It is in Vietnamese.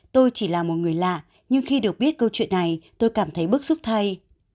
tôi chỉ là một người lạ nhưng khi được biết câu chuyện này tôi cảm thấy bức xúc thay